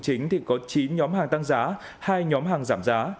có chín nhóm hàng tăng giá hai nhóm hàng giảm giá